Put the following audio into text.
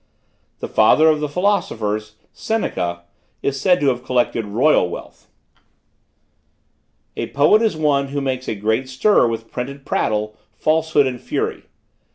The father of the philosophers, Seneca, is said to have collected royal wealth. "A poet is one who makes a great stir with printed prattle, falsehood and fury.